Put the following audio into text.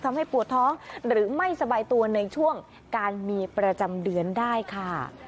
ปวดท้องหรือไม่สบายตัวในช่วงการมีประจำเดือนได้ค่ะ